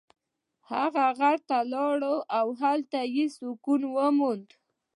هغه غره ته لاړ او هلته یې سکون وموند.